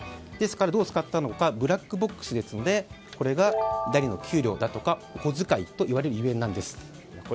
ですからどう使ったのかブラックボックスですのでこれが第２の給料ですとかお小遣いといわれる所以なんです。